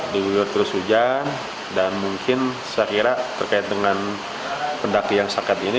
diguyur terus hujan dan mungkin saya kira terkait dengan pendaki yang sakit ini